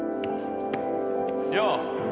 よう。